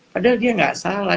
padahal dia tidak salah